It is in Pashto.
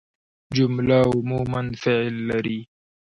جمله عموماً فعل لري.